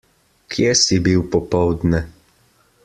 Kje si bil popoldne?